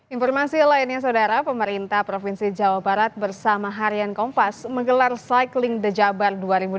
informasi lainnya saudara pemerintah provinsi jawa barat bersama harian kompas menggelar cycling the jabar dua ribu delapan belas